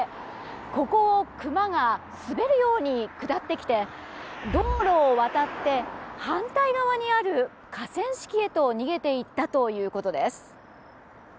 ここをクマが滑るように下ってきて道路を渡って反対側にある河川敷へと逃げていったということです。